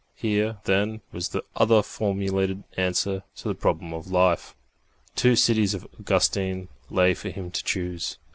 Here, then, was the other formulated answer to the problem of life. The two Cities of Augustine lay for him to choose.